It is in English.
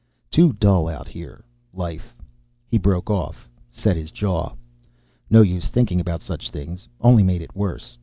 "Too dull out here. Life " He broke off, set his jaw. No use thinking about such things. Only made it worse.